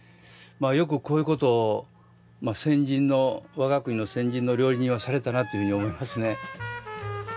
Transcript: よくこういうことを我が国の先人の料理人はされたなというふうに思いますね。